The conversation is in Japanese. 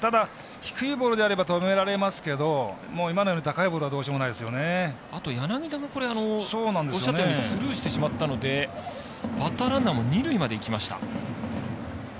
低いボールなら止められますけど今のような高いボールは柳田がスルーしてしまったのでバッターランナーも二塁までいきました。